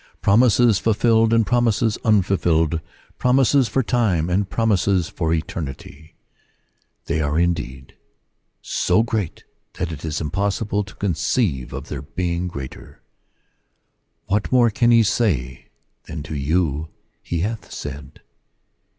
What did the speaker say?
Promises fulfilled and promises unfulfilled, promises for time and promises for eternity — they are indeed so great that it is impossible to conceive of their being greater. What more can he say than to you he hath said?